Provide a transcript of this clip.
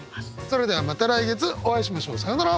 それではまた来月お会いしましょう。さようなら！